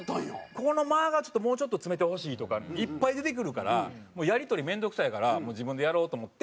ここの間がもうちょっと詰めてほしいとかいっぱい出てくるからもうやり取り面倒くさいから自分でやろうと思って。